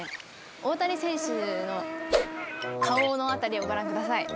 大谷選手の顔の辺りをご覧ください。